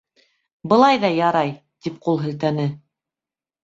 «Былай ҙа ярай», - тип ҡул һелтәне.